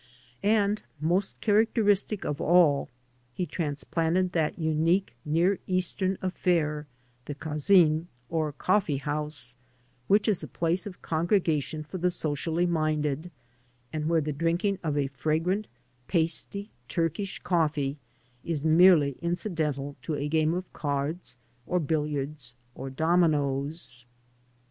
And, most characteristic of all, he transplanted that unique near Eastern affair, the kadn, or coffee house, which is a place of congrega tion for the socially minded, and where the drinking of fragrant, pasty Turkish coffee is merely incidental to a game of cards, or biUiards, or dominoes.